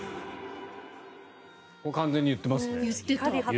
完全に言ってますね。